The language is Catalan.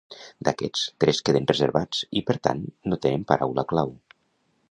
D'aquests, tres queden reservats i per tant no tenen paraula clau.